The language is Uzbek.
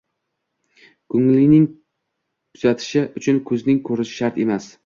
Ko'ngilning kuzatishi uchun ko'zning ko'rishi shart emas.